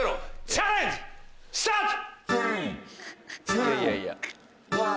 チャレンジスタート！